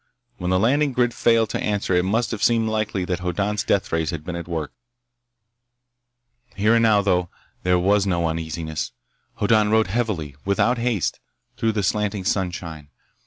When the landing grid failed to answer, it must have seemed likely that Hoddan's deathrays had been at work. Here and now, though, there was no uneasiness. Hoddan rode heavily, without haste, through the slanting sunshine.